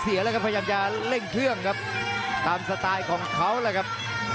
ตีด้วยขวาครับ